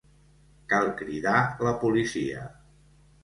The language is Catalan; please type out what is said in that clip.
Cal cridar la policia!